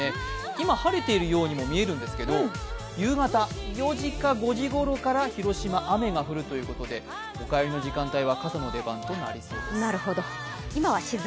今、晴れているようにも見えるんですけれども、夕方４時か５時ごろから広島、雨が降るということでお帰りの時間帯は傘の出番となりそうです。